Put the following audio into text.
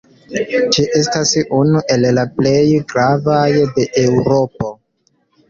Ĝi estas unu el la plej gravaj de Eŭropo.